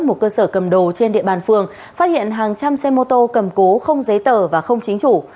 một cơ sở cầm đồ trên địa bàn phường phát hiện hàng trăm xe mô tô cầm cố không giấy tờ và không chính chủ